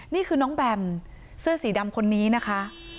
นี่คือน้องแบมเสื้อสีดำคนนี้นะคะ